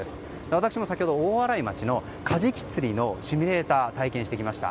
私も先ほど、大洗町のカジキ釣りのシミュレーターを体験してきました。